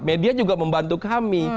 media juga membantu kami